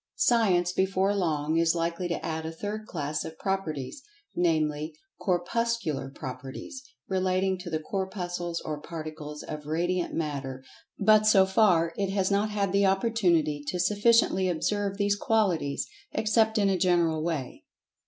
Science, before long, is likely to add a third class of Properties, namely, "Corpuscular Properties," relating to the Corpuscles or particles of Radiant Matter, but, so far, it has not had the opportunity to sufficiently observe these qualities, except in a general way.